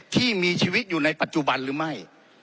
ที่มีชีวิตอยู่ในปัจจุบันหรือไม่